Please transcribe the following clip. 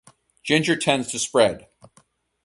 Ginger tends to spread.